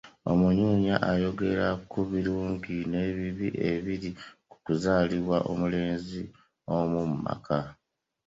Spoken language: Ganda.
Omunyumya ayogera ku birungi n’ebibi ebiri mu kuzaalibwa omulenzi omu mu maka.